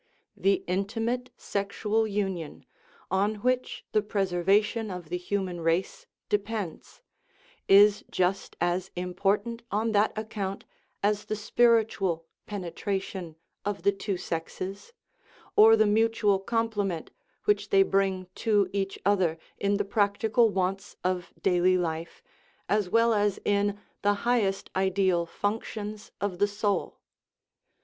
The intimate sexual union, on which the preservation of the human race depends, is just as important on that account as the spiritual 357 THE RIDDLE OF THE UNIVERSE penetration of the two sexes, or the mutual comple ment which they bring to each other in the practical wants of daily life as well as in the highest ideal func tions of the soul.